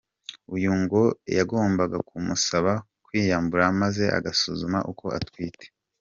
Uyu ngo yagombaga kumusaba kwiyambura maze agasuzuma ko atwite.